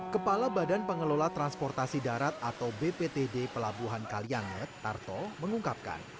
kepala badan pengelola transportasi darat atau bptd pelabuhan kalianget tarto mengungkapkan